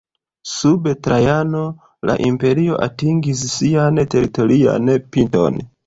Sub Trajano, la imperio atingis sian teritorian pinton.